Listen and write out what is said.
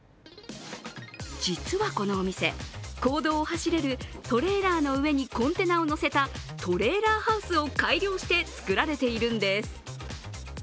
実はこのお店、公道を走れるトレーラーの上にコンテナを載せたトレーラーハウスを改良してつくられているのです。